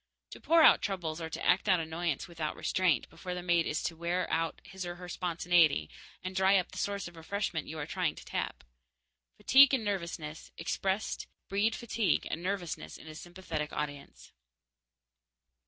To pour out troubles or act out annoyance without restraint before the mate is to wear out his or her spontaneity and dry up the source of refreshment you are trying to tap. Fatigue and nervousness, expressed, breed fatigue and nervousness in a sympathetic audience.